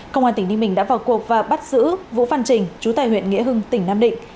công an tỉnh ninh bình đã vào cuộc và bắt giữ vũ văn trình chú tại huyện nghĩa hưng tỉnh nam định